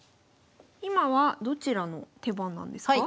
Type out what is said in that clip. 今はどちらの手番なんですか？